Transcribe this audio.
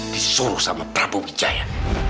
disuruh sama prabu wijaya